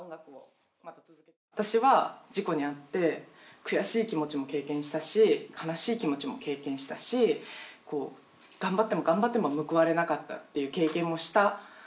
私は事故に遭って悔しい気持ちも経験したし悲しい気持ちも経験したしこう頑張っても頑張っても報われなかったっていう経験もしたから。